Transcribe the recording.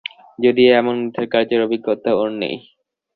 যদিও, এমন উদ্ধারকার্যের অভিজ্ঞতা ওর নেই।